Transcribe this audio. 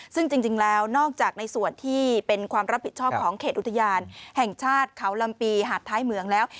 ซึ่งจริงแล้วนอกจากในส่วนที่เป็นความรับผิดชอบของเขตอุทยานแห่งชาติเขาลำปีหาดท้ายเมืองแล้ว